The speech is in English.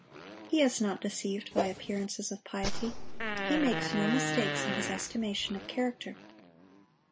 He is not deceived by appearances of piety. He makes no mistakes in His estimation of character.